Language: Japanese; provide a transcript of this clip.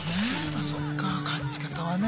まそっか感じ方はね。